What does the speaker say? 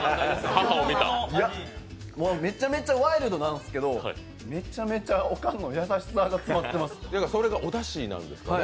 めちゃめちゃワイルドなんすけど、めちゃめちゃおかんの優しさが詰まってます。